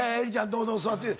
どうぞ座って。